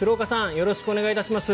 よろしくお願いします。